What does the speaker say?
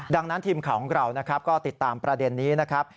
ดังนั้นทีมข่าวของเรานะครับก็ติดตามประเด็นนี้นะครับ